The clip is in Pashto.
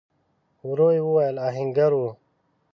ورو يې وويل: آهنګر و؟